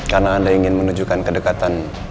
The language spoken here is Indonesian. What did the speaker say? karena anda ingin menunjukkan kedekatan